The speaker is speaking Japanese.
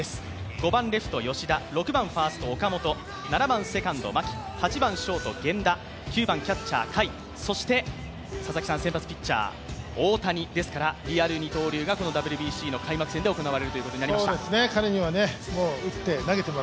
５番レフト・吉田、６番ファースト・岡本、７番セカンド・牧、８番ショート・源田、９番キャッチャー・甲斐、そして先発ピッチャー・大谷ですからリアル二刀流がこのＷＢＣの開幕戦で行われることになりました。